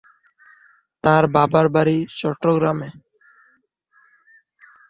তার বাবার বাড়ি চট্টগ্রামে।